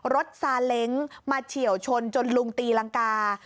รถทราเล็งมาเฉี่ยวชนจนลุงตีย์หลังกา